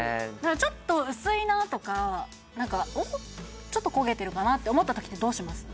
ちょっと薄いなとか何かおっちょっと焦げてるかなって思った時ってどうします？